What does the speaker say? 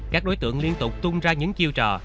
các đối tượng liên tục tung ra những chiêu trò